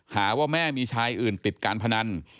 หาว่าแม่มีชายอื่นติดการพนัน